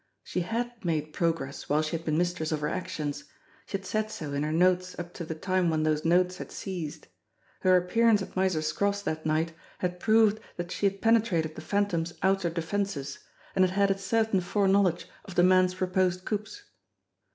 She had made progress while she had been mistress of her actions ; she had said so in her notes up to the time when those notes had ceased ; her appearance at Miser Scroff's that night had proved that she had penetrated the Phantom's outer defences, and had had a certain foreknowledge of the man's proposed coups.